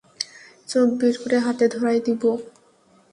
চোখ বের করে হাতে ধরায় দিবো।